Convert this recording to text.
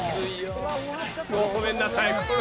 ごめんなさい。